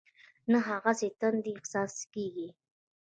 نه هغسې د تندې احساس کېږي.